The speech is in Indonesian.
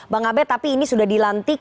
bang abed tapi ini sudah dilantik